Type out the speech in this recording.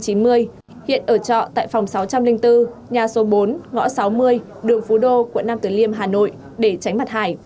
hiện ở trọ tại phòng sáu trăm linh bốn nhà số bốn ngõ sáu mươi đường phú đô quận năm từ liêm hà nội để tránh mặt hải